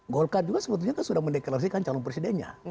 golkar juga sebetulnya kan sudah mendeklarasikan calon presidennya